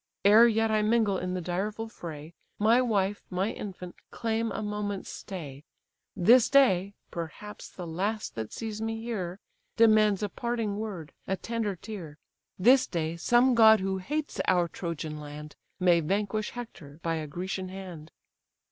Ere yet I mingle in the direful fray, My wife, my infant, claim a moment's stay; This day (perhaps the last that sees me here) Demands a parting word, a tender tear: This day, some god who hates our Trojan land May vanquish Hector by a Grecian hand."